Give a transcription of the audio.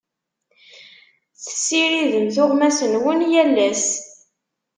Tessiridem tuɣmas-nwen yal ass.